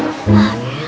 ah ya lah